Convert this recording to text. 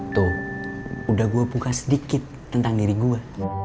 tuh udah gua puka sedikit tentang diri gua